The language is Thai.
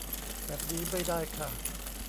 แบบนี้ไม่ได้ค่ะ